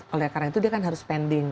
oleh karena itu dia kan harus spending